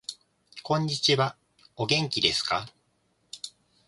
こんにちは。お元気ですか。